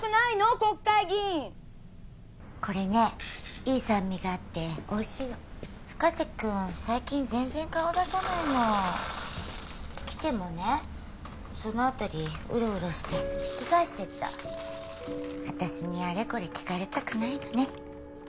国会議員・これねいい酸味があっておいしいの深瀬君最近全然顔出さないの来てもねその辺りウロウロして引き返してっちゃう私にあれこれ聞かれたくないのね